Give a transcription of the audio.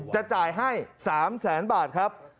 จะจ่ายให้๓แสนบาทครับ